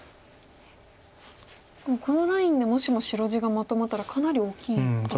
このラインでもしも白地がまとまったらかなり大きいですよね。